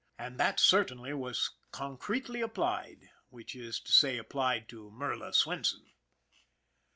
And that, certainly, SPITZER 79 when concretely applied, which is to say applied to Merla Swenson.